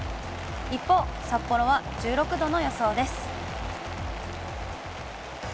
一方、札幌は１６度の予想です。